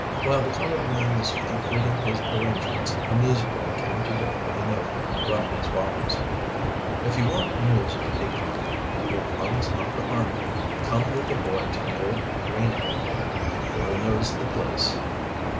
While the colored man was completing his arrangements a newsboy came to Dick with a note, running as follows: "If you want news of the Peacock, and will promise not to harm me, come with the boy to the old grain elevator. The boy knows the place."